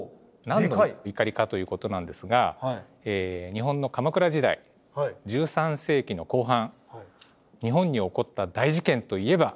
何の碇かということなんですが日本の鎌倉時代１３世紀の後半日本に起こった大事件といえば？